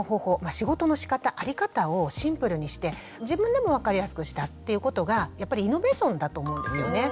仕事のしかたあり方をシンプルにして自分でも分かりやすくしたっていうことがやっぱりイノベーションだと思うんですよね。